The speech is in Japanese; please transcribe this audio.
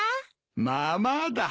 まあまあだ。